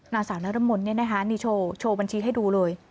นางสาวนรมนต์นี่นะคะนี่โชว์โชว์บัญชีให้ดูเลย